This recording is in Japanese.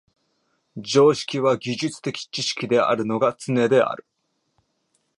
常識は技術的知識であるのがつねである。